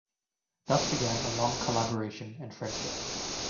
Thus began a long collaboration and friendship.